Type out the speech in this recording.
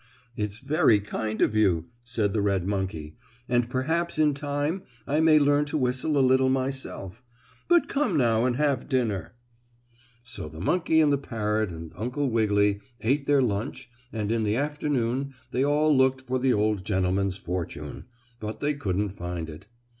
"It's very kind of you," said the red monkey, "and perhaps in time I may learn to whistle a little myself. But come now and have dinner." So the monkey and the parrot and Uncle Wiggily ate their lunch and in the afternoon they all looked for the old gentleman's fortune, but they couldn't find it.